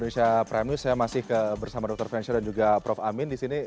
saya masih bersama prof fensher dan prof amin disini